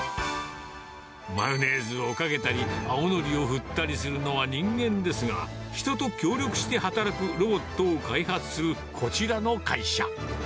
マヨネーズをかけたり、青のりを振ったりするのは人間ですが、人と協力して働くロボットを開発するこちらの会社。